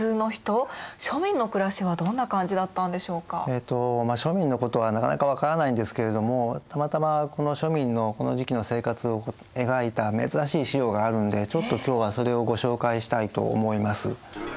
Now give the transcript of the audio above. えっとまあ庶民のことはなかなか分からないんですけれどもたまたまこの庶民のこの時期の生活を描いた珍しい資料があるんでちょっと今日はそれをご紹介したいと思います。